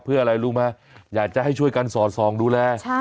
เพื่ออะไรรู้ไหมอยากจะให้ช่วยกันสอดส่องดูแล